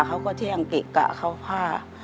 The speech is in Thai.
เขาก็เที่ยงเกะกะเข้าผ้า